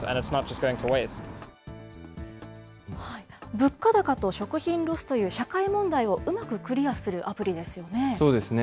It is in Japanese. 物価高と食品ロスという社会問題をうまくクリアするアプリでそうですね。